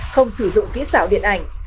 không sử dụng kỹ xảo điện ảnh